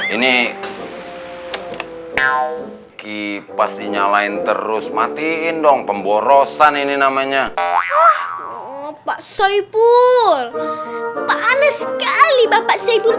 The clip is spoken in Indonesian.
ini kipas dinyalain terus matiin dong pemborosan ini namanya pak saiful panas sekali bapak saiful